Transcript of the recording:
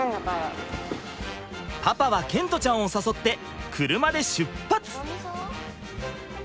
パパは賢澄ちゃんを誘って車で出発！